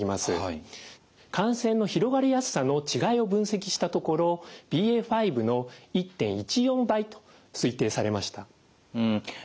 感染の広がりやすさの違いを分析したところＢＡ．５の１．１４倍と推定されました。